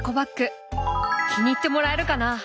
気に入ってもらえるかな？